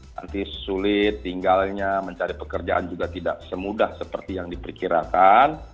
nanti sulit tinggalnya mencari pekerjaan juga tidak semudah seperti yang diperkirakan